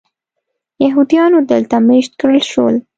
یهودیانو دلته مېشت کړل شول.